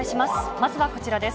まずはこちらです。